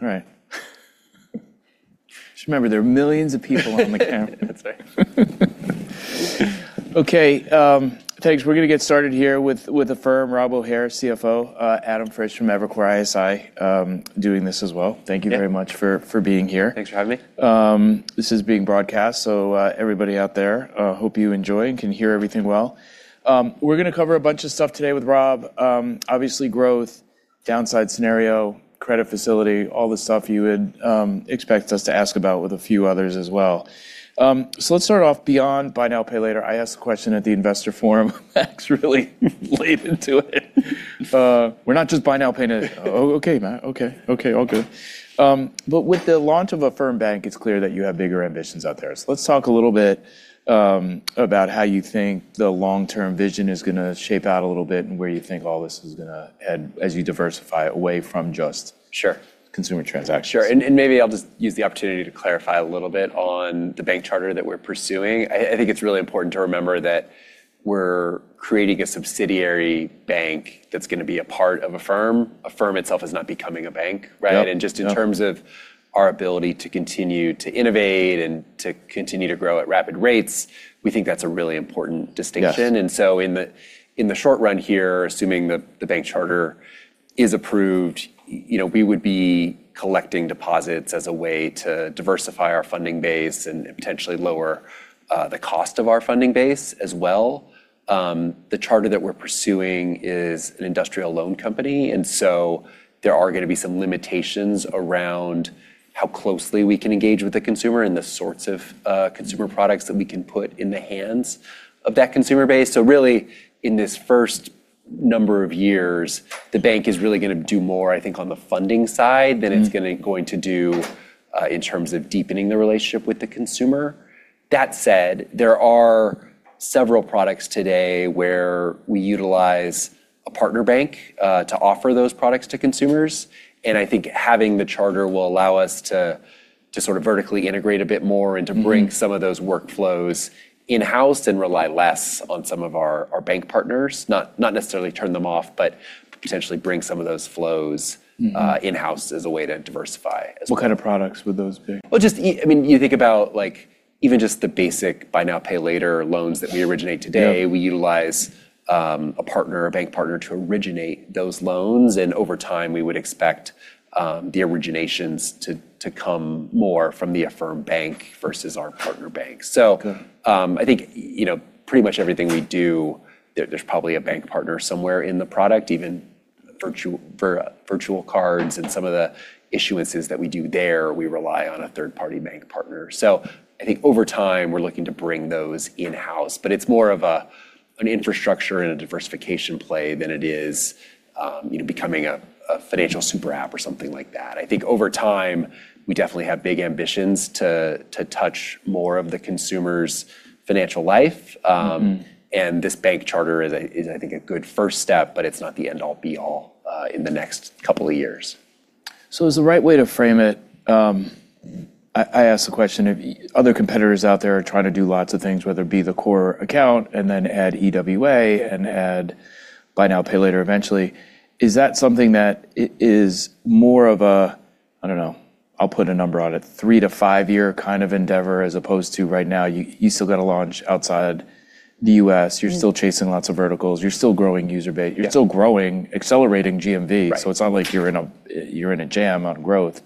All right. Just remember, there are millions of people on the camera. That's right. Okay, thanks. We're going to get started here with Affirm, Rob O'Hare, CFO. Adam Frisch from Evercore ISI doing this as well. Thank you very much for being here. Thanks for having me. This is being broadcast, so everybody out there, hope you enjoy and can hear everything well. We're going to cover a bunch of stuff today with Rob. Obviously, growth, downside scenario, credit facility, all the stuff you would expect us to ask about, with a few others as well. Let's start off, beyond buy now, pay later. I asked a question at the investor forum. Max really laid into it. We're not just buy now. "Oh, okay, Max. Okay, all good." With the launch of Affirm Bank, it's clear that you have bigger ambitions out there. Let's talk a little bit about how you think the long-term vision is going to shape out a little bit, and where you think all this is going to head as you diversify away from. Sure Consumer transactions. Sure. Maybe I'll just use the opportunity to clarify a little bit on the bank charter that we're pursuing. I think it's really important to remember that we're creating a subsidiary bank that's going to be a part of Affirm. Affirm itself is not becoming a bank, right? Yep. Just in terms of our ability to continue to innovate and to continue to grow at rapid rates, we think that's a really important distinction. Yes. In the short run here, assuming that the bank charter is approved, we would be collecting deposits as a way to diversify our funding base and potentially lower the cost of our funding base as well. The charter that we're pursuing is an industrial loan company, and so there are going to be some limitations around how closely we can engage with the consumer and the sorts of consumer products that we can put in the hands of that consumer base. Really, in this 1st number of years, the bank is really going to do more, I think, on the funding side than it's going to do in terms of deepening the relationship with the consumer. That said, there are several products today where we utilize a partner bank to offer those products to consumers, and I think having the charter will allow us to sort of vertically integrate a bit more and to bring some of those workflows in-house and rely less on some of our bank partners, not necessarily turn them off, but potentially bring some of those flows. In-house as a way to diversify as well. What kind of products would those be? Well, just, you think about even just the basic buy now, pay later loans that we originate today. Yeah. We utilize a bank partner to originate those loans, over time, we would expect the originations to come more from the Affirm Bank versus our partner banks. Okay. I think pretty much everything we do, there's probably a bank partner somewhere in the product. Even virtual cards and some of the issuances that we do there, we rely on a third-party bank partner. I think over time, we're looking to bring those in-house. It's more of an infrastructure and a diversification play than it is becoming a financial super app or something like that. I think over time, we definitely have big ambitions to touch more of the consumer's financial life. This bank charter is, I think, a good 1st step, but it's not the end-all be-all in the next couple of years. Is the right way to frame it, I ask the question, if other competitors out there are trying to do lots of things, whether it be the core account and then add EWA and add buy now, pay later eventually? Is that something that is more of a, I don't know, I'll put a number on it, three- to five-year kind of endeavor, as opposed to right now, you still got to launch outside the U.S., you're still chasing lots of verticals, you're still growing user base? You're still growing, accelerating GMV. Right. It's not like you're in a jam on growth.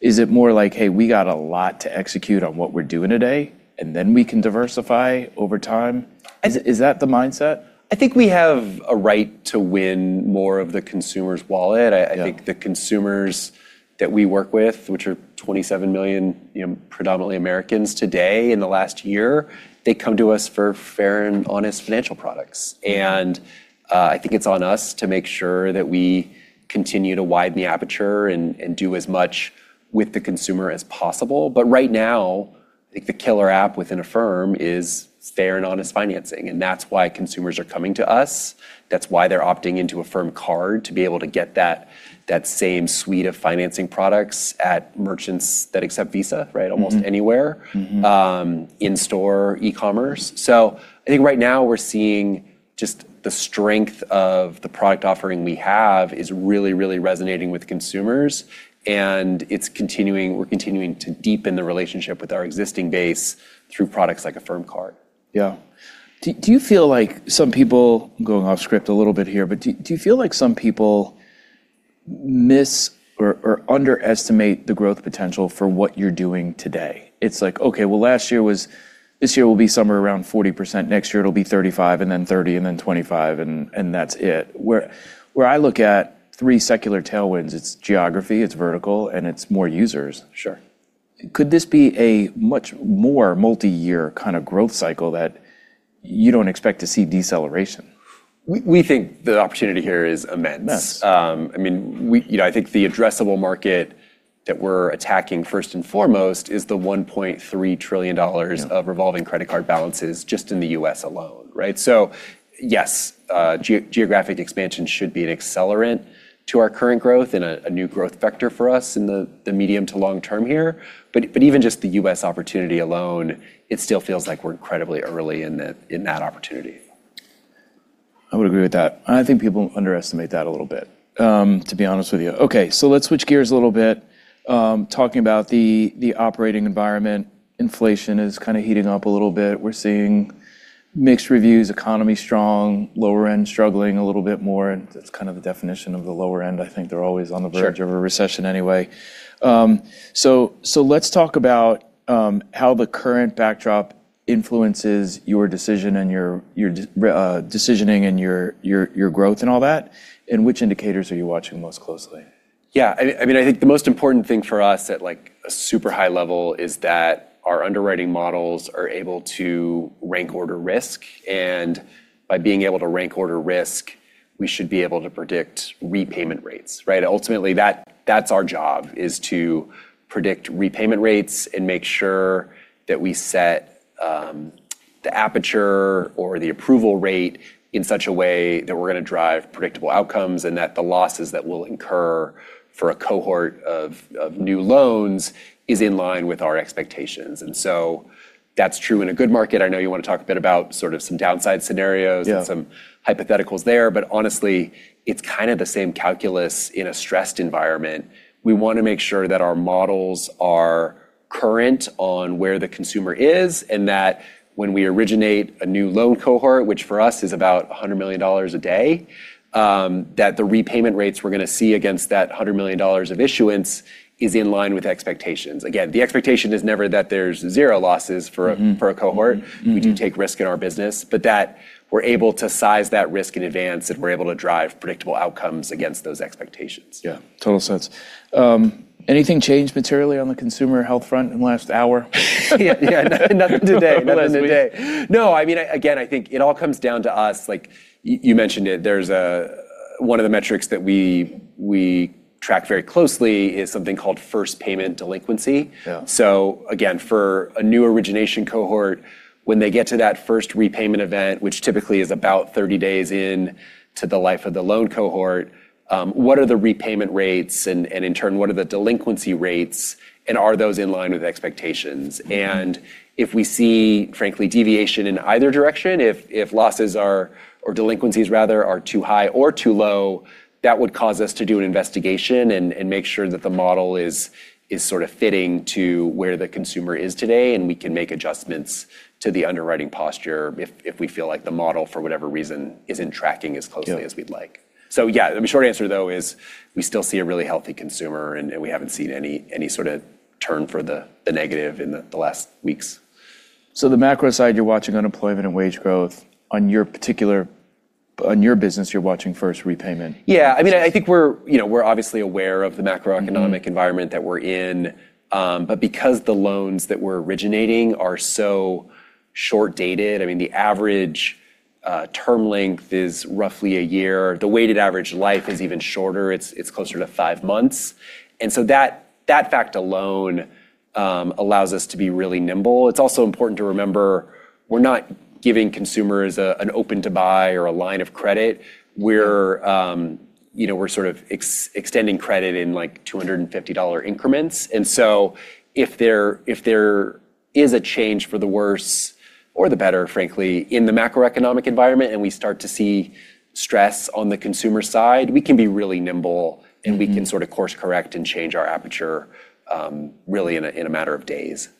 Is it more like, "Hey, we got a lot to execute on what we're doing today, and then we can diversify over time?" Is that the mindset? I think we have a right to win more of the consumer's wallet. Yeah. I think the consumers that we work with, which are 27 million predominantly Americans today in the last year, they come to us for fair and honest financial products. I think it's on us to make sure that we continue to widen the aperture and do as much with the consumer as possible. Right now, I think the killer app within Affirm is fair and honest financing, and that's why consumers are coming to us. That's why they're opting into Affirm Card, to be able to get that same suite of financing products at merchants that accept Visa, right? Almost anywhere. In-store, e-commerce. I think right now we're seeing just the strength of the product offering we have is really resonating with consumers, and we're continuing to deepen the relationship with our existing base through products like Affirm Card. Yeah. Do you feel like some people, going off script a little bit here, but do you feel like some people miss or underestimate the growth potential for what you're doing today? It's like, okay, well, this year will be somewhere around 40%. Next year it'll be 35%, and then 30%, and then 25%, and that's it, where I look at three secular tailwinds, it's geography, it's vertical, and it's more users. Sure. Could this be a much more multi-year kind of growth cycle that you don't expect to see deceleration? We think the opportunity here is immense. I think the addressable market that we're attacking first and foremost is the $1.3 trillion of revolving credit card balances just in the U.S. alone, right? Yes, geographic expansion should be an accelerant to our current growth and a new growth vector for us in the medium to long term here. Even just the U.S. opportunity alone, it still feels like we're incredibly early in that opportunity. I would agree with that. I think people underestimate that a little bit, to be honest with you. Let's switch gears a little bit. Talking about the operating environment, inflation is kind of heating up a little bit. We're seeing mixed reviews, economy strong, lower end struggling a little bit more, and that's kind of the definition of the lower end. I think they're always on the verge- Sure of a recession anyway. Let's talk about how the current backdrop influences your decisioning and your growth and all that, and which indicators are you watching most closely? Yeah. I think the most important thing for us at a super high level is that our underwriting models are able to rank order risk, and by being able to rank order risk, we should be able to predict repayment rates. Right? Ultimately, that's our job, is to predict repayment rates and make sure that we set the aperture or the approval rate in such a way that we're going to drive predictable outcomes, and that the losses that we'll incur for a cohort of new loans is in line with our expectations. That's true in a good market. I know you want to talk a bit about sort of some downside scenarios. Yeah Some hypotheticals there. Honestly, it's kind of the same calculus in a stressed environment. We want to make sure that our models are current on where the consumer is, and that when we originate a new loan cohort, which for us is about $100 million a day, that the repayment rates we're going to see against that $100 million of issuance is in line with expectations. Again, the expectation is never that there's zero losses for a cohort. We do take risk in our business. That we're able to size that risk in advance, and we're able to drive predictable outcomes against those expectations. Yeah. Total sense. Anything change materially on the consumer health front in the last hour? Yeah. Nothing today. Nothing today. Again, I think it all comes down to us, like you mentioned it, one of the metrics that we track very closely is something called 1st payment delinquency. Yeah. Again, for a new origination cohort, when they get to that 1st repayment event, which typically is about 30 days in to the life of the loan cohort, what are the repayment rates and in turn, what are the delinquency rates, and are those in line with expectations? If we see, frankly, deviation in either direction, if losses are, or delinquencies rather, are too high or too low, that would cause us to do an investigation and make sure that the model is sort of fitting to where the consumer is today, and we can make adjustments to the underwriting posture if we feel like the model, for whatever reason, isn't tracking as closely. Yeah as we'd like. Yeah. The short answer, though, is we still see a really healthy consumer, and we haven't seen any sort of turn for the negative in the last weeks. The macro side, you're watching unemployment and wage growth. On your business, you're watching 1st repayment. Yeah. I think we're obviously aware of the macroeconomic environment that we're in. Because the loans that we're originating are so short-dated, the average term length is roughly one year. The weighted average life is even shorter. It's closer to five months. That fact alone allows us to be really nimble. It's also important to remember we're not giving consumers an open to buy or a line of credit. We're sort of extending credit in $250 increments. If there is a change for the worse, or the better, frankly, in the macroeconomic environment and we start to see stress on the consumer side, we can be really nimble. We can sort of course correct and change our aperture really in a matter of days.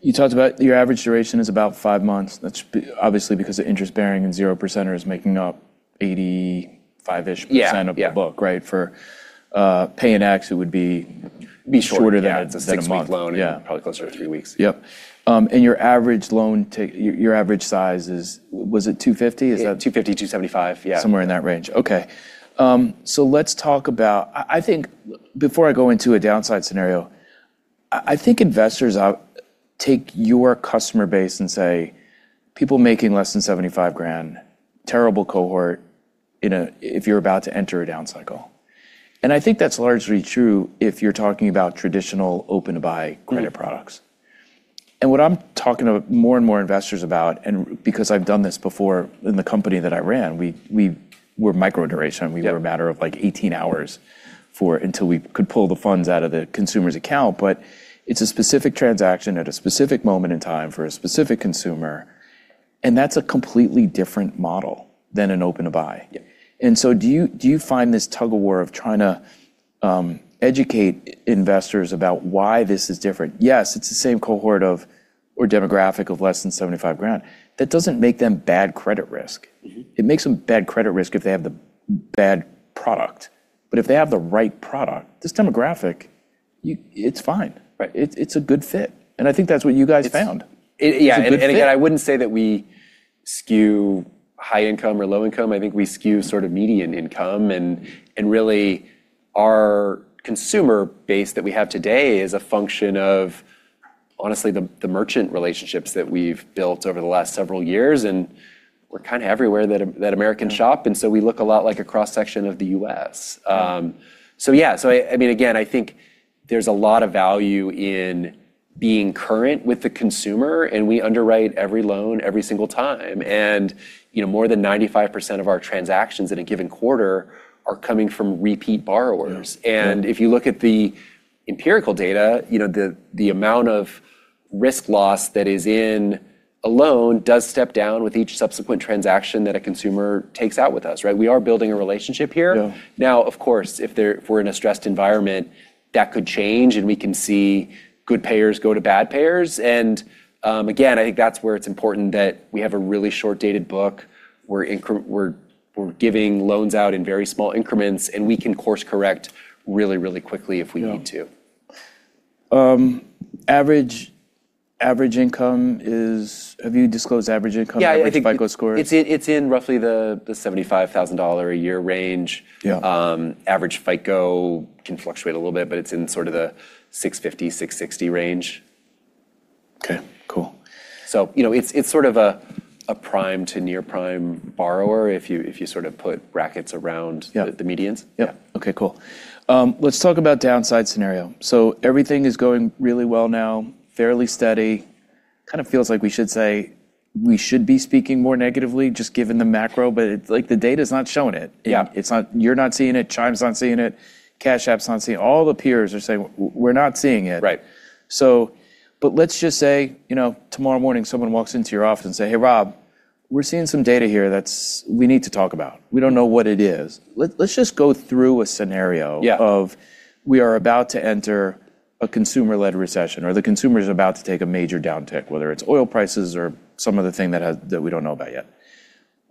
You talked about your average duration is about five months. That's obviously because the interest bearing and zero percenter is making up 85-ish%. Yeah of the book, right? For pay in X, it would be shorter. Be shorter, yeah. than that. It's a six-week loan. Yeah. Probably closer to three weeks. Yep. Your average size is, was it $250? Is that- $250, $275. Yeah. Somewhere in that range. Okay. Let's talk about Before I go into a downside scenario, I think investors take your customer base and say people making less than $75,000, terrible cohort if you're about to enter a down cycle. I think that's largely true if you're talking about traditional open to buy credit products. What I'm talking to more and more investors about, and because I've done this before in the company that I ran. We're micro duration. We have a matter of, like, 18 hours until we could pull the funds out of the consumer's account, but it's a specific transaction at a specific moment in time for a specific consumer, and that's a completely different model than an open to buy. Yeah. Do you find this tug of war of trying to educate investors about why this is different? Yes, it's the same cohort of, or demographic of less than $75,000. That doesn't make them bad credit risk. It makes them bad credit risk if they have the bad product. If they have the right product, this demographic, it's fine. Right. It's a good fit, and I think that's what you guys found. Yeah. It's a good fit. Again, I wouldn't say that we skew high income or low income. I think we skew sort of median income, and really our consumer base that we have today is a function of, honestly, the merchant relationships that we've built over the last several years, and we're kind of everywhere that Americans shop. Yeah. We look a lot like a cross-section of the U.S. Yeah. Yeah. I think there's a lot of value in being current with the consumer, and we underwrite every loan every single time. More than 95% of our transactions in a given quarter are coming from repeat borrowers. Yeah. If you look at the empirical data, the amount of risk loss that is in a loan does step down with each subsequent transaction that a consumer takes out with us, right? We are building a relationship here. Yeah. Of course, if we're in a stressed environment, that could change, and we can see good payers go to bad payers. Again, I think that's where it's important that we have a really short-dated book, we're giving loans out in very small increments, and we can course-correct really, really quickly if we need to. Yeah. Average income, have you disclosed average income? Yeah Average FICO scores? It's in roughly the $75,000 a year range. Yeah. Average FICO can fluctuate a little bit, but it's in sort of the $650, $660 range. Okay, cool. it's sort of a prime to near-prime borrower if you sort of put brackets around. Yeah the medians. Yeah. Yeah. Okay, cool. Let's talk about downside scenario. Everything is going really well now, fairly steady. It kind of feels like we should say we should be speaking more negatively, just given the macro, but the data's not showing it. Yeah. You're not seeing it, Chime's not seeing it, Cash App's not seeing it. All the peers are saying, "We're not seeing it. Right. Let's just say, tomorrow morning, someone walks into your office and says, "Hey, Rob, we're seeing some data here that we need to talk about. We don't know what it is." Let's just go through a scenario. Yeah Of we are about to enter a consumer-led recession, or the consumer's about to take a major downtick, whether it's oil prices or some other thing that we don't know about yet.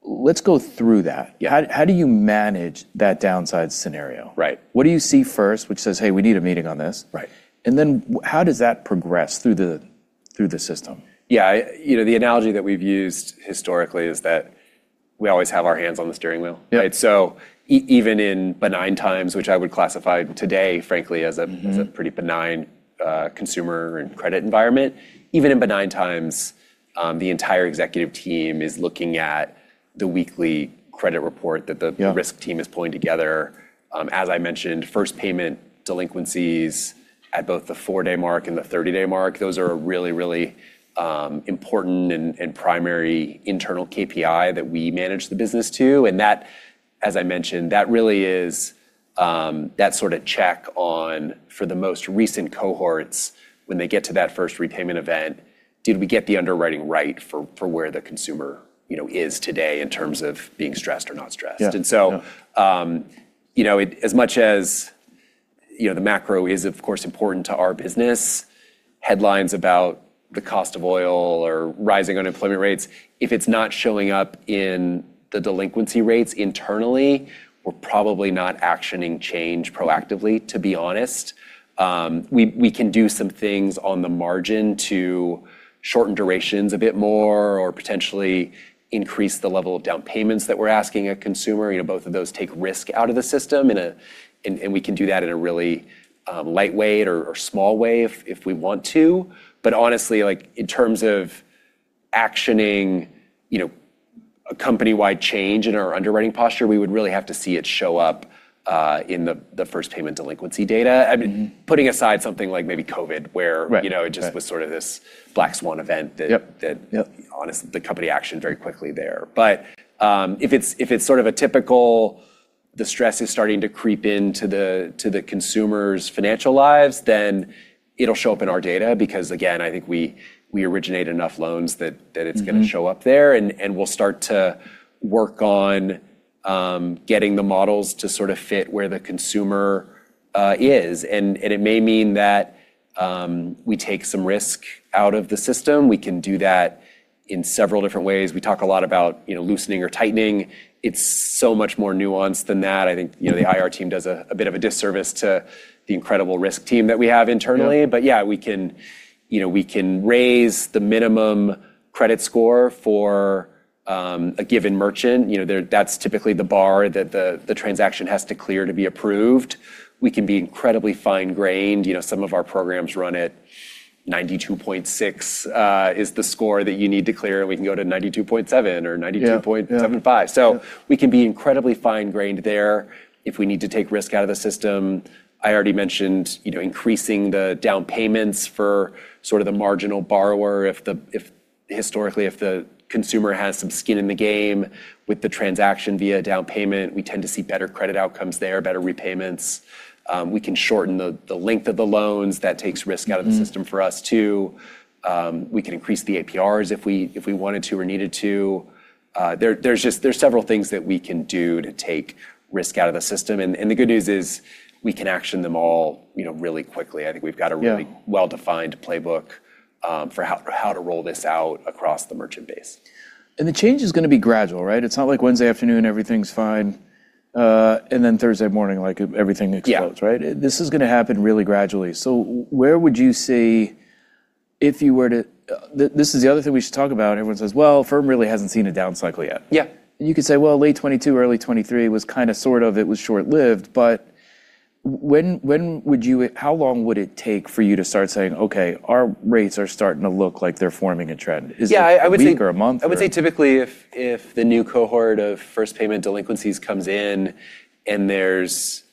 Let's go through that. Yeah. How do you manage that downside scenario? Right. What do you see first which says, "Hey, we need a meeting on this"? Right. How does that progress through the system? Yeah. The analogy that we've used historically is that we always have our hands on the steering wheel. Yeah. Even in benign times, which I would classify today, frankly pretty benign consumer and credit environment. Even in benign times, the entire executive team is looking at the weekly credit report. Yeah Risk team is pulling together. As I mentioned, first payment delinquencies at both the four-day mark and the 30-day mark, those are really, really important and primary internal KPI that we manage the business to. That, as I mentioned, that really is that sort of check on, for the most recent cohorts when they get to that first repayment event, did we get the underwriting right for where the consumer is today in terms of being stressed or not stressed? Yeah. As much as the macro is, of course, important to our business, headlines about the cost of oil or rising unemployment rates, if it's not showing up in the delinquency rates internally, we're probably not actioning change proactively, to be honest. We can do some things on the margin to shorten durations a bit more or potentially increase the level of down payments that we're asking a consumer. Both of those take risk out of the system, and we can do that in a really lightweight or small way if we want to. Honestly, in terms of actioning a company-wide change in our underwriting posture, we would really have to see it show up in the 1st payment delinquency data. I mean. Putting aside something like maybe COVID. Right It just was sort of this black swan event. Yep Honestly, the company actioned very quickly there. If it's sort of a typical, the stress is starting to creep into the consumers' financial lives, then it'll show up in our data, because again, I think we originate enough loans that it's. Going to show up there. We'll start to work on getting the models to sort of fit where the consumer is. It may mean that we take some risk out of the system. We can do that in several different ways. We talk a lot about loosening or tightening. It's so much more nuanced than that. Yeah The IR team does a bit of a disservice to the incredible risk team that we have internally. Yeah. We can raise the minimum credit score for a given merchant. That's typically the bar that the transaction has to clear to be approved. We can be incredibly fine-grained. Some of our programs run at 92.6, is the score that you need to clear, and we can go to 92.7 or 92.75. Yeah. We can be incredibly fine-grained there if we need to take risk out of the system. I already mentioned increasing the down payments for the marginal borrower. Historically, if the consumer has some skin in the game with the transaction via down payment, we tend to see better credit outcomes there, better repayments. We can shorten the length of the loans. That takes risk out of the- system for us, too. We can increase the APRs if we wanted to or needed to. There's several things that we can do to take risk out of the system, and the good news is we can action them all really quickly. Yeah Well-defined playbook for how to roll this out across the merchant base. The change is going to be gradual, right? It's not like Wednesday afternoon, everything's fine, and then Thursday morning, everything explodes, right? Yeah. This is going to happen really gradually. This is the other thing we should talk about. Everyone says, "Well, Affirm really hasn't seen a down cycle yet. Yeah. You could say, well, late 2022, early 2023 was kind of, sort of, it was short-lived. How long would it take for you to start saying, "Okay, our rates are starting to look like they're forming a trend"? Yeah. Is it a week or a month or? I would say typically if the new cohort of 1st payment delinquencies comes in and there's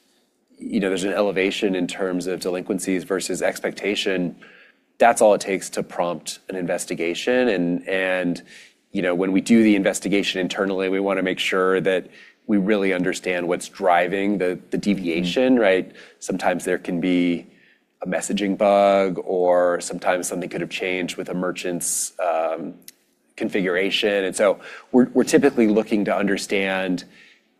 an elevation in terms of delinquencies versus expectation, that's all it takes to prompt an investigation. When we do the investigation internally, we want to make sure that we really understand what's driving the deviation, right? Sometimes there can be a messaging bug, or sometimes something could have changed with a merchant's configuration. So we're typically looking to understand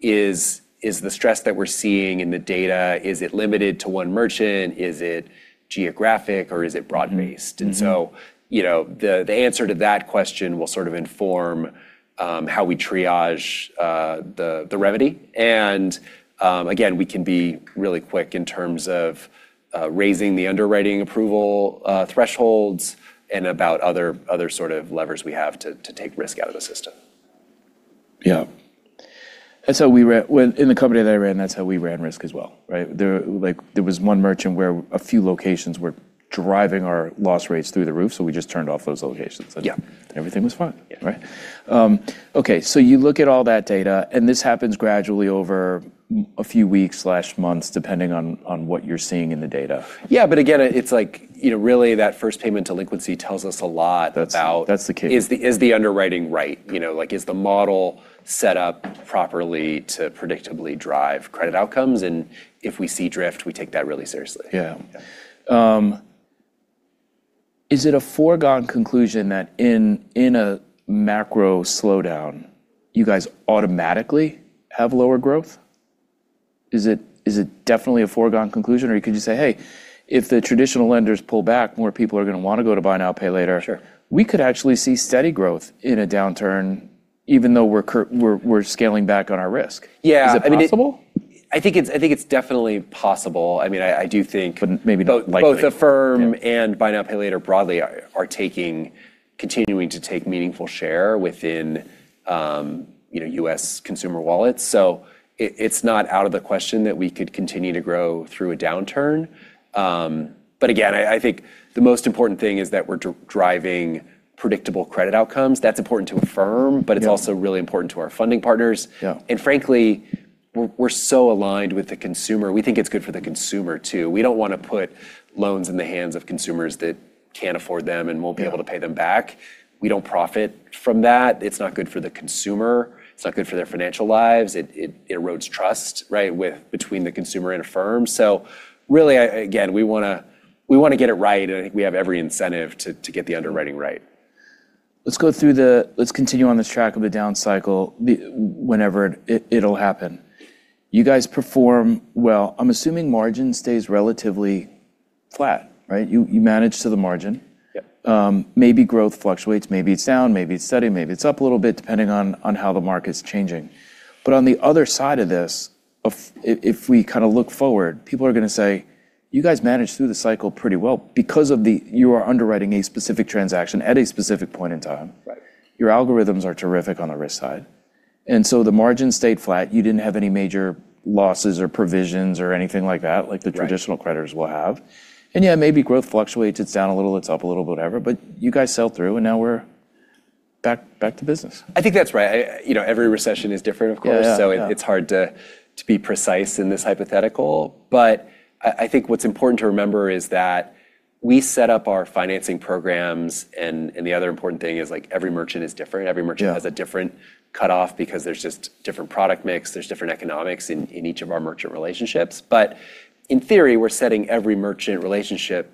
is the stress that we're seeing in the data, is it limited to one merchant? Is it geographic, or is it broad-based? The answer to that question will sort of inform how we triage the remedy. Again, we can be really quick in terms of raising the underwriting approval thresholds and about other sort of levers we have to take risk out of the system. Yeah. In the company that I ran, that's how we ran risk as well, right? There was one merchant where a few locations were driving our loss rates through the roof, so we just turned off those locations. Yeah. Everything was fine. Yeah. Right. Okay, you look at all that data. This happens gradually over a few weeks/months, depending on what you're seeing in the data. Yeah, but again, it's like, really that 1st payment delinquency tells us a lot about- That's the key. Is the underwriting right? Is the model set up properly to predictably drive credit outcomes? If we see drift, we take that really seriously. Yeah. Is it a foregone conclusion that in a macro slowdown, you guys automatically have lower growth? Is it definitely a foregone conclusion? You could just say, "Hey, if the traditional lenders pull back, more people are going to want to go to buy now, pay later. Sure. We could actually see steady growth in a downturn even though we're scaling back on our risk. Yeah. Is it possible? I think it's definitely possible. Maybe not likely. Both Affirm and buy now, pay later broadly are continuing to take meaningful share within U.S. consumer wallets. It's not out of the question that we could continue to grow through a downturn. Again, I think the most important thing is that we're driving predictable credit outcomes. That's important to Affirm. Yeah It's also really important to our funding partners. Yeah. Frankly, we're so aligned with the consumer. We think it's good for the consumer, too. We don't want to put loans in the hands of consumers that can't afford them. Yeah Be able to pay them back. We don't profit from that. It's not good for the consumer. It's not good for their financial lives. It erodes trust, right, between the consumer and Affirm. Really, again, we want to get it right, and I think we have every incentive to get the underwriting right. Let's continue on this track of the down cycle, whenever it'll happen. You guys perform well. I'm assuming margin stays relatively flat, right? You manage to the margin. Yep. Maybe growth fluctuates, maybe it's down, maybe it's steady, maybe it's up a little bit, depending on how the market's changing. On the other side of this, if we look forward, people are going to say, "You guys managed through the cycle pretty well." You are underwriting a specific transaction at a specific point in time. Right. Your algorithms are terrific on the risk side. The margin stayed flat. You didn't have any major losses or provisions or anything like that. Right the traditional creditors will have. Yeah, maybe growth fluctuates. It's down a little, it's up a little, whatever. You guys sell through, and now we're back to business. I think that's right. Every recession is different, of course. Yeah. It's hard to be precise in this hypothetical. I think what's important to remember is that we set up our financing programs, and the other important thing is every merchant is different. Yeah. Every merchant has a different cutoff because there's just different product mix, there's different economics in each of our merchant relationships. In theory, we're setting every merchant relationship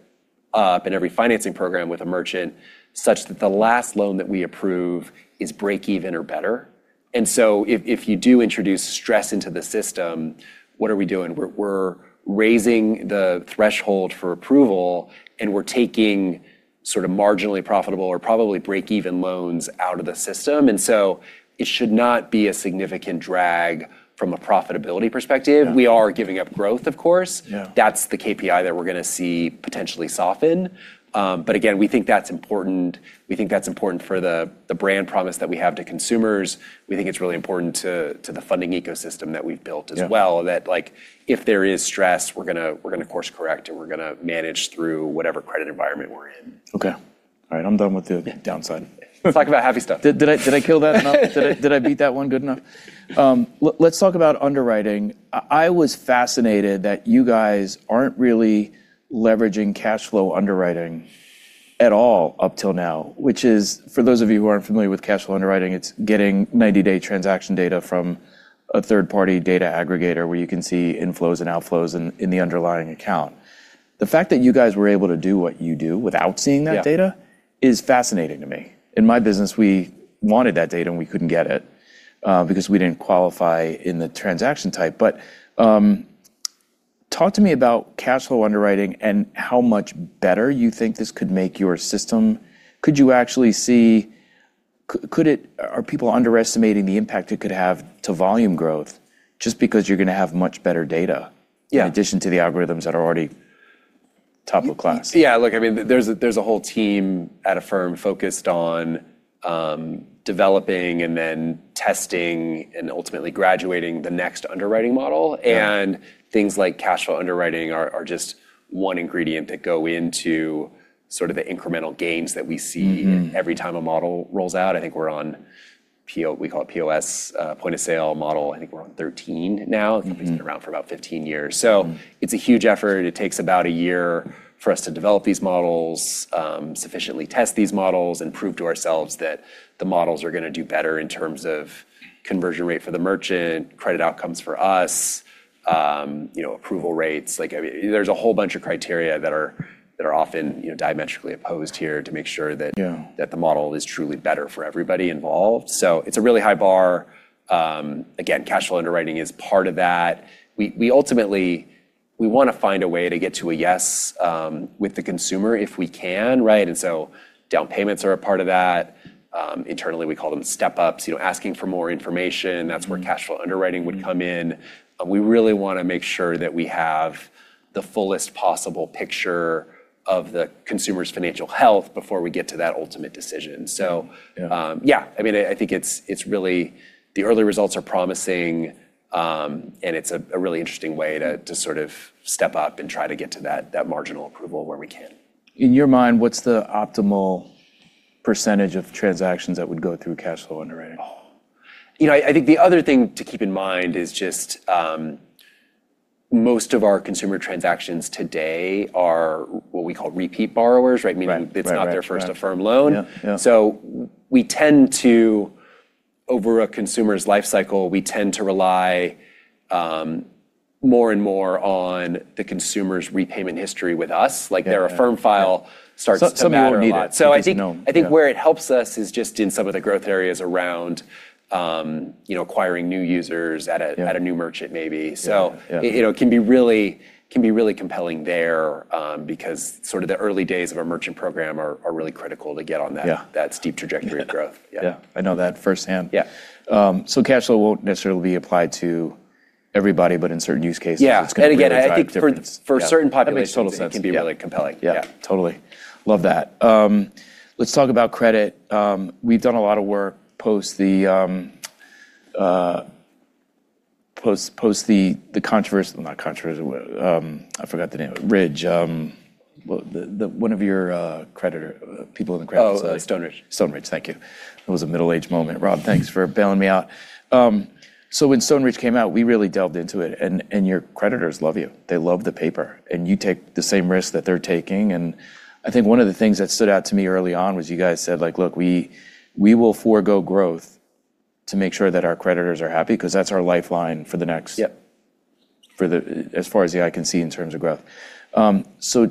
up and every financing program with a merchant such that the last loan that we approve is break even or better. If you do introduce stress into the system, what are we doing? We're raising the threshold for approval, and we're taking sort of marginally profitable or probably break even loans out of the system. It should not be a significant drag from a profitability perspective. Yeah. We are giving up growth, of course. Yeah. That's the KPI that we're going to see potentially soften. Again, we think that's important. We think that's important for the brand promise that we have to consumers. We think it's really important to the funding ecosystem that we've built as well. Yeah. If there is stress, we're going to course correct, and we're going to manage through whatever credit environment we're in. Okay. All right. I'm done with the downside. Let's talk about happy stuff. Did I kill that enough? Did I beat that one good enough? Let's talk about underwriting. I was fascinated that you guys aren't really leveraging cash flow underwriting at all up till now. Which is, for those of you who aren't familiar with cash flow underwriting, it's getting 90-day transaction data from a third-party data aggregator where you can see inflows and outflows in the underlying account. The fact that you guys were able to do what you do without seeing that data. Yeah Is fascinating to me. In my business, we wanted that data, and we couldn't get it because we didn't qualify in the transaction type. Talk to me about cash flow underwriting and how much better you think this could make your system. Could you actually see, are people underestimating the impact it could have to volume growth just because you're going to have much better data? Yeah In addition to the algorithms that are already top of class? Yeah, look, there's a whole team at Affirm focused on developing and then testing and ultimately graduating the next underwriting model. Yeah. Things like cash flow underwriting are just one ingredient that go into sort of the incremental gains that we see. Every time a model rolls out. I think we're on, we call it POS, point of sale model, I think we're on 13 now. The company's been around for about 15 years. It's a huge effort. It takes about a year for us to develop these models, sufficiently test these models, and prove to ourselves that the models are going to do better in terms of conversion rate for the merchant, credit outcomes for us, approval rates. There's a whole bunch of criteria that are often diametrically opposed here to make sure that. Yeah the model is truly better for everybody involved. It's a really high bar. Again, cash flow underwriting is part of that. We ultimately want to find a way to get to a yes with the consumer if we can, right? Down payments are a part of that. Internally, we call them step-ups. Asking for more information. That's where cash flow underwriting would come in. We really want to make sure that we have the fullest possible picture of the consumer's financial health before we get to that ultimate decision. Yeah. Yeah. I think the early results are promising, and it's a really interesting way to sort of step up and try to get to that marginal approval where we can. In your mind, what's the optimal percentage of transactions that would go through cash flow underwriting? Oh. I think the other thing to keep in mind is just most of our consumer transactions today are what we call repeat borrowers, right? Right. Meaning it's not their first Affirm loan. Yeah. Over a consumer's life cycle, we tend to rely more and more on the consumer's repayment history with us. Like their Affirm file starts to matter a lot. Some more than others because no, yeah. I think where it helps us is just in some of the growth areas around acquiring new users. Yeah New merchant maybe. Yeah. It can be really compelling there, because sort of the early days of a merchant program are really critical to get on that- Yeah steep trajectory of growth. Yeah. Yeah. I know that firsthand. Yeah. Cash flow won't necessarily be applied to everybody, but in certain use cases. Yeah it's going to really drive difference. Again, I think for certain populations. That makes total sense. Yeah. It can be really compelling. Yeah. Yeah. Totally. Love that. Let's talk about credit. We've done a lot of work post the controversial, not controversial. I forgot the name. Ridge. One of your people in the credit facility. Oh, Stone Ridge. Stone Ridge. Thank you. That was a middle-aged moment. Rob, thanks for bailing me out. When Stone Ridge came out, we really delved into it, and your creditors love you. They love the paper, and you take the same risk that they're taking, and I think one of the things that stood out to me early on was you guys said, "Look, we will forego growth to make sure that our creditors are happy because that's our lifeline for the next- Yep As far as the eye can see in terms of growth."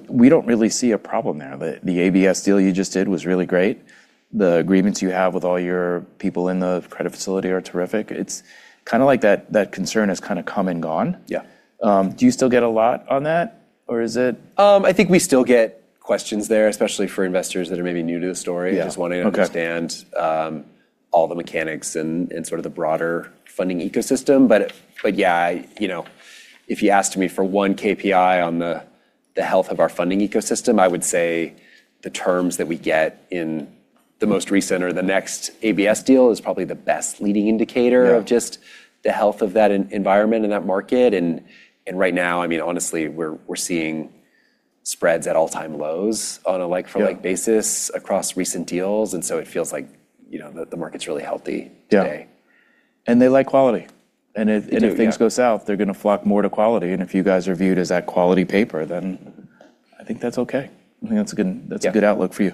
We don't really see a problem there. The ABS deal you just did was really great. The agreements you have with all your people in the credit facility are terrific. It's kind of like that concern has kind of come and gone. Yeah. Do you still get a lot on that or is it? I think we still get questions there, especially for investors that are maybe new to the story. Yeah. Okay. Just want to understand all the mechanics and sort of the broader funding ecosystem. Yeah, if you asked me for one KPI on the health of our funding ecosystem, I would say the terms that we get in the most recent or the next ABS deal is probably the best leading indicator. Yeah Of just the health of that environment and that market and right now, honestly, we're seeing spreads at all-time lows on a like-from-like basis across recent deals, and so it feels like the market's really healthy today. Yeah. They like quality. They do, yeah. If things go south, they're going to flock more to quality, and if you guys are viewed as that quality paper, then I think that's okay. I think that's a good outlook for you.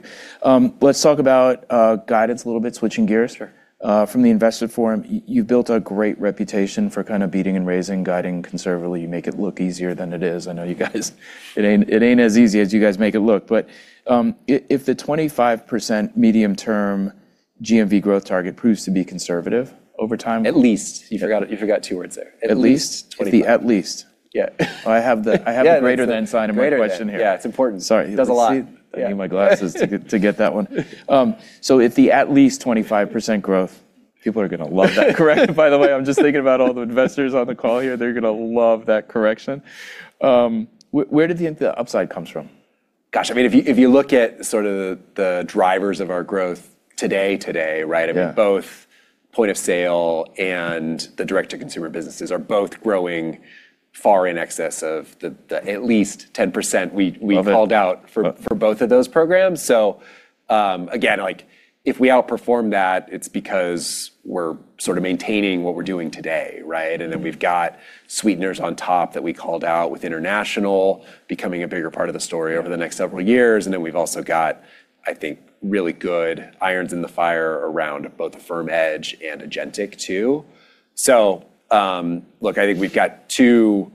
Let's talk about guidance a little bit, switching gears. Sure. From the investor forum, you've built a great reputation for kind of beating and raising, guiding conservatively. You make it look easier than it is. I know you guys. It ain't as easy as you guys make it look. If the 25% medium-term GMV growth target proves to be conservative over time. At least. You forgot two words there. At least 25. At the least. Yeah. I have the greater than sign in my question here. Yeah, it's important. Sorry. It does a lot. Yeah. I need my glasses to get that one. If the at least 25% growth, people are going to love that correction, by the way. I'm just thinking about all the investors on the call here. They're going to love that correction. Where did the upside comes from? Gosh. If you look at sort of the drivers of our growth today, right? Yeah. Both point of sale and the direct-to-consumer businesses are both growing far in excess of at least 10% we called out. Love it. For both of those programs. Again, if we outperform that, it's because we're sort of maintaining what we're doing today, right. We've got sweeteners on top that we called out with international becoming a bigger part of the story over the next several years, and then we've also got, I think, really good irons in the fire around both Affirm Edge and Agentic, too. Look, I think we've got two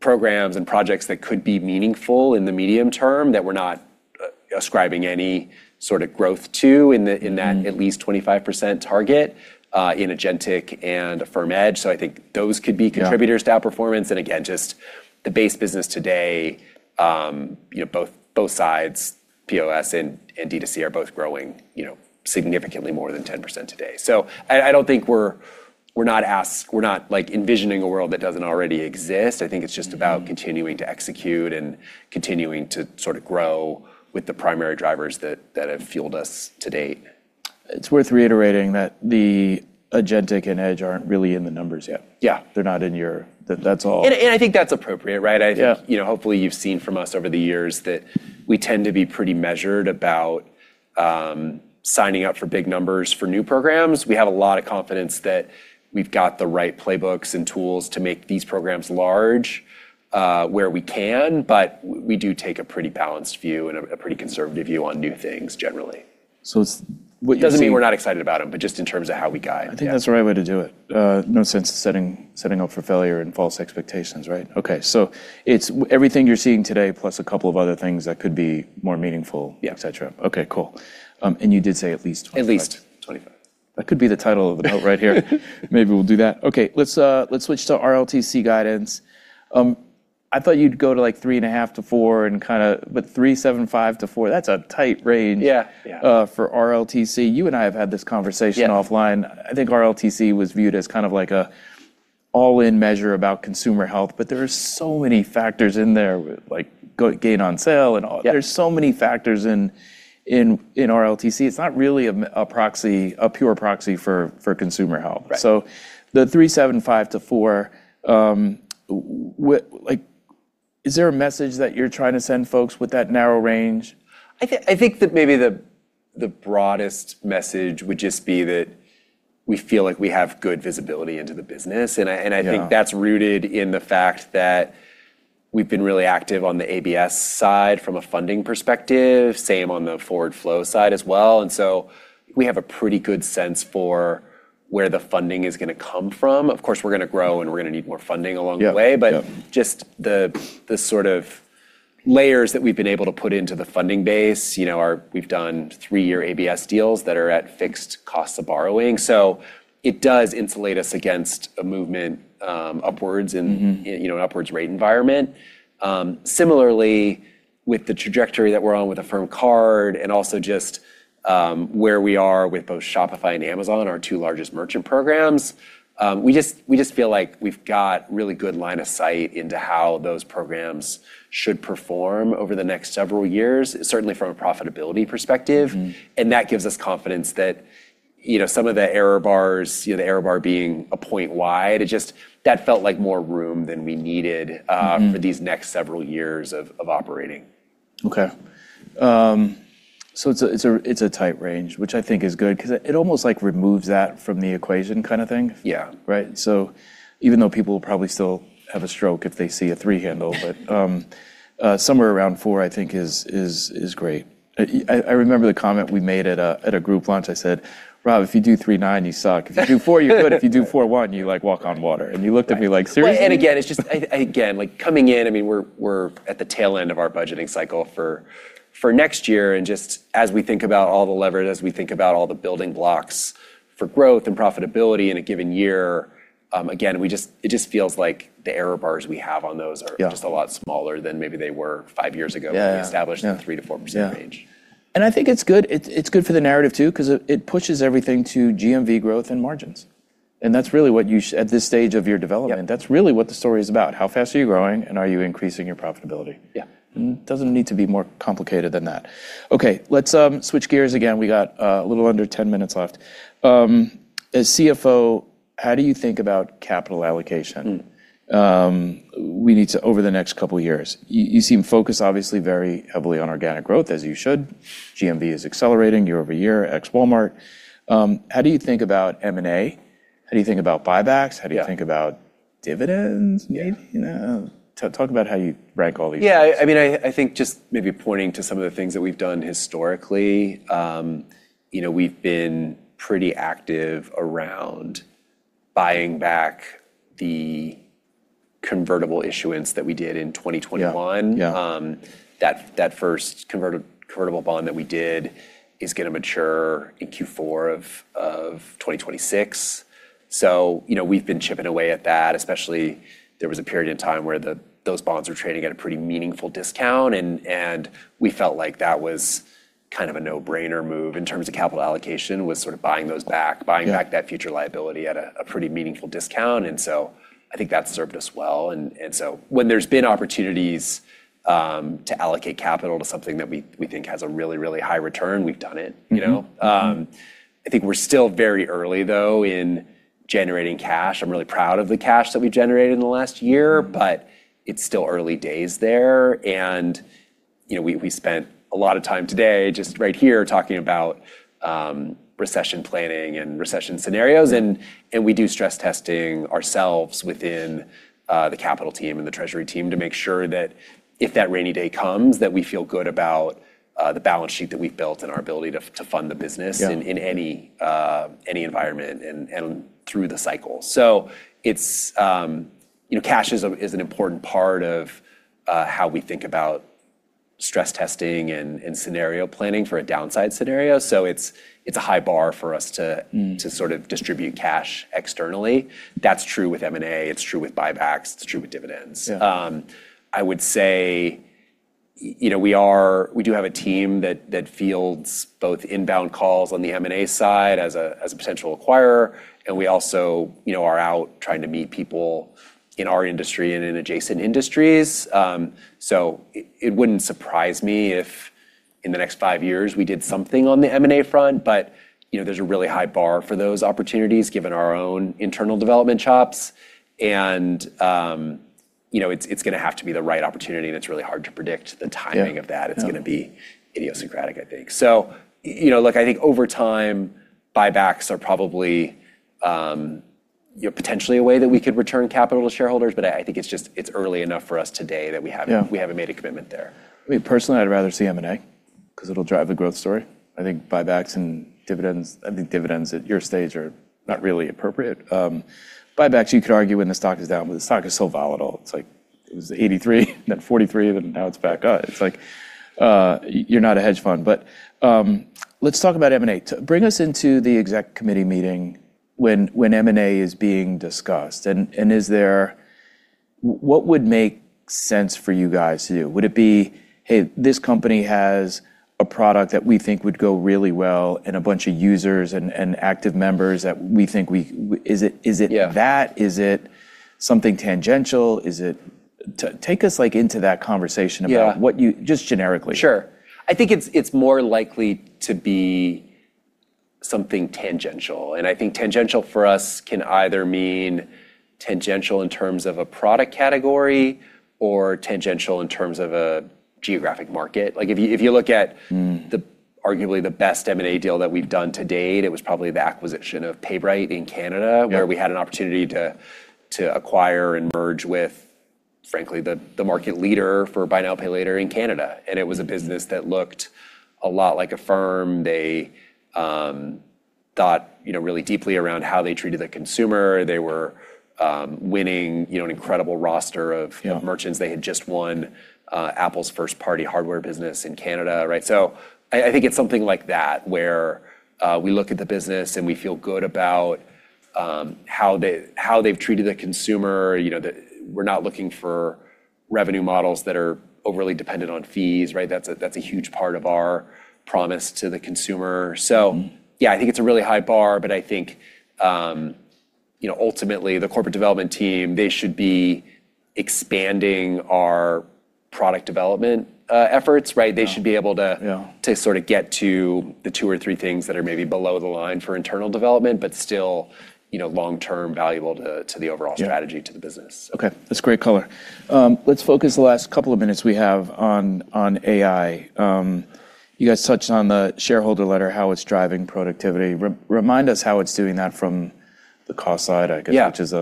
programs and projects that could be meaningful in the medium term that we're not ascribing any sort of growth to in that at least 25% target in Agentic and Affirm Edge. I think those could be contributors to outperformance, and again, just the base business today, both sides, POS and D2C are both growing significantly more than 10% today. I don't think we're envisioning a world that doesn't already exist. I think it's just about continuing to execute and continuing to sort of grow with the primary drivers that have fueled us to date. It's worth reiterating that the Agentic and Edge aren't really in the numbers yet. Yeah. They're not in your, That's all. I think that's appropriate, right? Yeah. Hopefully you've seen from us over the years that we tend to be pretty measured about signing up for big numbers for new programs. We have a lot of confidence that we've got the right playbooks and tools to make these programs large where we can, but we do take a pretty balanced view and a pretty conservative view on new things generally. So it's- It doesn't mean we're not excited about them, but just in terms of how we guide. Yeah. I think that's the right way to do it. No sense setting up for failure and false expectations, right? It's everything you're seeing today, plus a couple of other things that could be more meaningful. Yeah Et cetera. Okay, cool. You did say at least 25. At least 25. That could be the title of the note right here. Maybe we'll do that. Okay, let's switch to RLTC guidance. I thought you'd go to three and a half to four and kind of But 375-4, that's a tight range. Yeah For RLTC. You and I have had this conversation. Yeah offline. I think RLTC was viewed as kind of like a all-in measure about consumer health, there are so many factors in there like gain on sale and all. Yeah. There's so many factors in RLTC. It's not really a pure proxy for consumer health. Right. The 375-4, is there a message that you're trying to send folks with that narrow range? I think that maybe the broadest message would just be that we feel like we have good visibility into the business. Yeah. I think that's rooted in the fact that we've been really active on the ABS side from a funding perspective. Same on the forward flow side as well. We have a pretty good sense for where the funding is going to come from. Of course, we're going to grow, and we're going to need more funding along the way. Yeah. Just the sort of layers that we've been able to put into the funding base, we've done three-year ABS deals that are at fixed costs of borrowing. It does insulate us against a movement upwards in an upwards rate environment. Similarly, with the trajectory that we're on with Affirm Card and also just where we are with both Shopify and Amazon, our two largest merchant programs, we just feel like we've got really good line of sight into how those programs should perform over the next several years, certainly from a profitability perspective. That gives us confidence that some of the error bars, the error bar being a point wide, that felt like more room than we needed for these next several years of operating. Okay. It's a tight range, which I think is good because it almost removes that from the equation kind of thing. Yeah. Right? Even though people will probably still have a stroke if they see a three handle, somewhere around four I think is great. I remember the comment we made at a group lunch. I said, "Rob, if you do 3.9%, you suck. If you do four, you're good. If you do 4.1%, you walk on water." You looked at me like, "Seriously? Again, it's just coming in, we're at the tail end of our budgeting cycle for next year, and just as we think about all the levers, as we think about all the building blocks for growth and profitability in a given year, again, it just feels like the error bars we have on those. Yeah Just a lot smaller than maybe they were five years ago. Yeah When we established the 3%-4% range. Yeah. I think it's good for the narrative, too, because it pushes everything to GMV growth and margins. That's really what you should, at this stage of your development. Yeah That's really what the story is about. How fast are you growing, and are you increasing your profitability? Yeah. It doesn't need to be more complicated than that. Okay, let's switch gears again. We got a little under 10-minutes left. As CFO, how do you think about capital allocation? Over the next couple of years. You seem focused, obviously, very heavily on organic growth, as you should. GMV is accelerating year-over-year at ex Walmart. How do you think about M&A? How do you think about buybacks? Yeah. How do you think about dividends, maybe? Yeah. Talk about how you rank all these. I think just maybe pointing to some of the things that we've done historically. We've been pretty active around buying back the convertible issuance that we did in 2021. Yeah. That 1st convertible bond that we did is going to mature in Q4 of 2026. We've been chipping away at that, especially there was a period in time where those bonds were trading at a pretty meaningful discount and we felt like that was kind of a no-brainer move in terms of capital allocation, was sort of buying those back, buying back that future liability at a pretty meaningful discount. I think that's served us well. When there's been opportunities to allocate capital to something that we think has a really, really high return, we've done it. I think we're still very early, though, in generating cash. I'm really proud of the cash that we've generated in the last year, but it's still early days there. We spent a lot of time today just right here talking about recession planning and recession scenarios, and we do stress testing ourselves within the capital team and the treasury team to make sure that if that rainy day comes, that we feel good about the balance sheet that we've built and our ability to fund the business. Yeah In any environment and through the cycle. Cash is an important part of how we think about stress testing and scenario planning for a downside scenario. It's a high bar for us to sort of distribute cash externally. That's true with M&A, it's true with buybacks, it's true with dividends. Yeah. I would say we do have a team that fields both inbound calls on the M&A side as a potential acquirer, and we also are out trying to meet people in our industry and in adjacent industries. It wouldn't surprise me if in the next five years we did something on the M&A front, but there's a really high bar for those opportunities given our own internal development chops. It's going to have to be the right opportunity, and it's really hard to predict the timing of that. Yeah. It's going to be idiosyncratic, I think. Look, I think over time, buybacks are probably potentially a way that we could return capital to shareholders, but I think it's early enough for us today that we haven't. Yeah Made a commitment there. Personally, I'd rather see M&A because it'll drive the growth story. I think buybacks and dividends, I think dividends at your stage are not really appropriate. Buybacks, you could argue when the stock is down, but the stock is so volatile. It was 83, then 43, and now it's back up. It's like, you're not a hedge fund. Let's talk about M&A. Bring us into the exec committee meeting when M&A is being discussed, and what would make sense for you guys to do? Would it be, "Hey, this company has a product that we think would go really well, and a bunch of users and active members." Is it that? Yeah. Is it something tangential? Take us into that conversation about. Yeah Just generically. Sure. I think it's more likely to be something tangential, and I think tangential for us can either mean tangential in terms of a product category or tangential in terms of a geographic market. Arguably the best M&A deal that we've done to date, it was probably the acquisition of PayBright in Canada. Yep Where we had an opportunity to acquire and merge with, frankly, the market leader for buy now, pay later in Canada. It was a business that looked a lot like Affirm. They thought really deeply around how they treated the consumer. They were winning an incredible roster of. Yeah Merchants. They had just won Apple's first-party hardware business in Canada, right? I think it's something like that, where we look at the business and we feel good about how they've treated the consumer. We're not looking for revenue models that are overly dependent on fees, right? That's a huge part of our promise to the consumer. Yeah, I think it's a really high bar, but I think ultimately the corporate development team, they should be expanding our product development efforts, right? Yeah. They should be able to- Yeah to get to the two or three things that are maybe below the line for internal development, but still long-term valuable to the overall strategy. Yeah to the business. Okay. That's great color. Let's focus the last couple of minutes we have on AI. You guys touched on the shareholder letter, how it's driving productivity. Remind us how it's doing that from the cost side, I guess? Yeah which is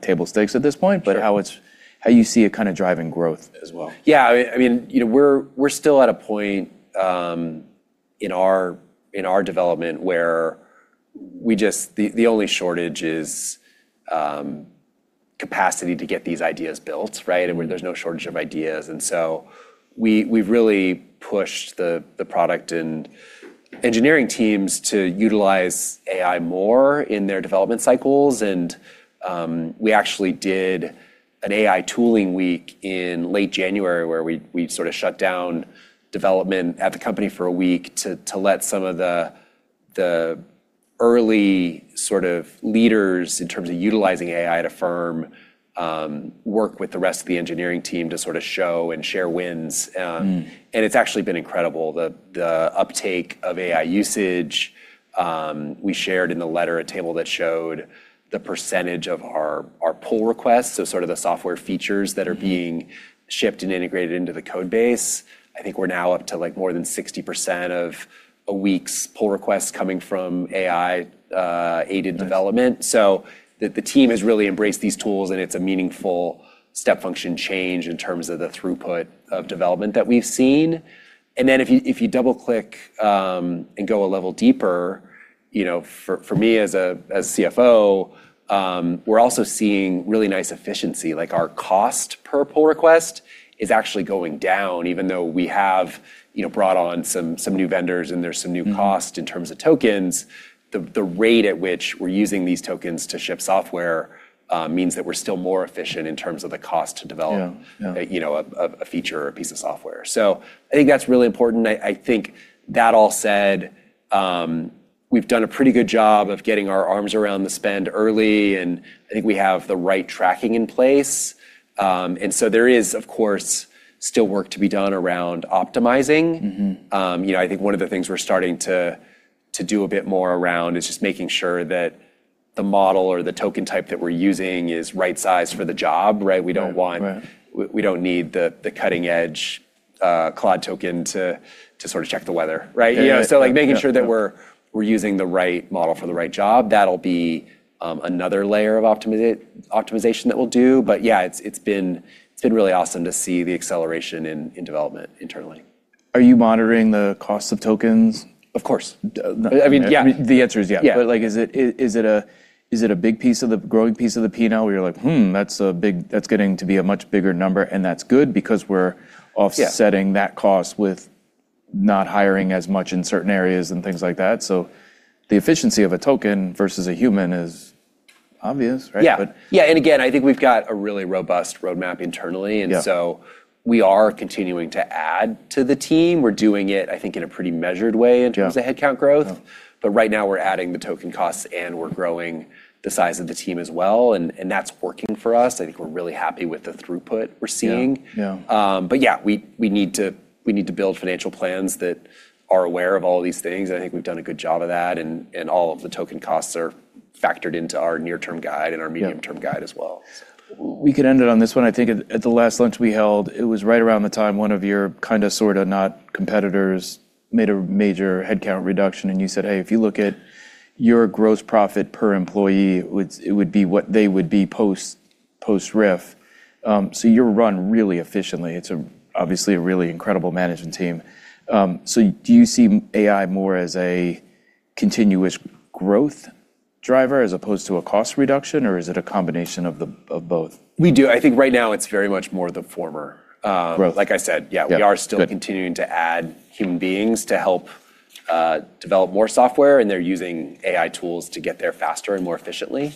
table stakes at this point. Sure. How you see it driving growth as well. Yeah. We're still at a point in our development where the only shortage is capacity to get these ideas built, right? There's no shortage of ideas. We've really pushed the product and engineering teams to utilize AI more in their development cycles. We actually did an AI tooling week in late January where we shut down development at the company for a week to let some of the early leaders in terms of utilizing AI at Affirm work with the rest of the engineering team to show and share wins. It's actually been incredible, the uptake of AI usage. We shared in the letter a table that showed the percentage of our pull requests, so sort of the software features that are being shipped and integrated into the code base. I think we're now up to more than 60% of a week's pull requests coming from AI-aided development. The team has really embraced these tools, and it's a meaningful step function change in terms of the throughput of development that we've seen. Then if you double-click and go a level deeper, for me as CFO, we're also seeing really nice efficiency. Like our cost per pull request is actually going down, even though we have brought on some new vendors and there's some new cost in terms of tokens. The rate at which we're using these tokens to ship software means that we're still more efficient in terms of the cost to develop. Yeah A feature or a piece of software. I think that's really important. I think that all said, we've done a pretty good job of getting our arms around the spend early, and I think we have the right tracking in place. There is, of course, still work to be done around optimizing. I think one of the things we're starting to do a bit more around is just making sure that the model or the token type that we're using is right-sized for the job, right? Right. We don't need the cutting-edge Claude token to check the weather, right? Yeah. Making sure that we're using the right model for the right job. That'll be another layer of optimization that we'll do, but yeah, it's been really awesome to see the acceleration in development internally. Are you monitoring the cost of tokens? Of course. I mean, yeah. The answer is yeah. Yeah. Is it a growing piece of the P&L where you're like, "Hmm, that's getting to be a much bigger number," and that's good because we're offsetting? Yeah That cost with not hiring as much in certain areas and things like that. The efficiency of a token versus a human is obvious, right? Yeah. Again, I think we've got a really robust roadmap internally. Yeah. We are continuing to add to the team. We're doing it, I think, in a pretty measured way. Yeah Of headcount growth. Yeah. Right now we're adding the token costs, and we're growing the size of the team as well, and that's working for us. I think we're really happy with the throughput we're seeing. Yeah. Yeah, we need to build financial plans that are aware of all these things, and I think we've done a good job of that. All of the token costs are factored into our near-term guide and our medium-term guide as well. We could end it on this one. I think at the last lunch we held, it was right around the time one of your kind of, sort of, not competitors made a major headcount reduction and you said, "Hey, if you look at your gross profit per employee, it would be what they would be post-RIF." You run really efficiently. It's obviously a really incredible management team. Do you see AI more as a continuous growth driver as opposed to a cost reduction, or is it a combination of both? We do. I think right now it's very much more the former. Growth. Like I said, yeah. Yeah. Good. We are still continuing to add human beings to help develop more software, and they're using AI tools to get there faster and more efficiently.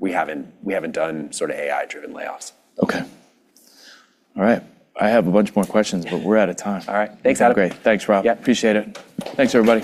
We haven't done AI-driven layoffs. Okay. All right. I have a bunch more questions, but we're out of time. All right. Thanks, Adam. Great. Thanks, Rob. Yep. Appreciate it. Thanks, everybody.